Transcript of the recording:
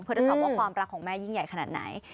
เพื่อจะสอบว่าความรักของแม่ยิ่งใหญ่ขนาดไหน